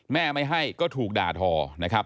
แม่ไม่ให้ก็ถูกด่าทอนะครับ